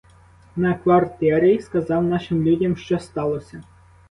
На квартирі сказав нашим людям, що сталося.